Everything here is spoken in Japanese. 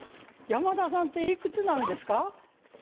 山田さんっていくつなんですか？